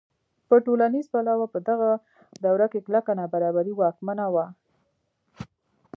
په ټولنیز پلوه په دغه دوره کې کلکه نابرابري واکمنه وه.